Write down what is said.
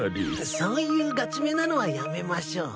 そういうガチめなのはやめましょう。